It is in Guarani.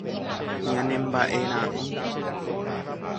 Ñane mbaʼerãʼỹ.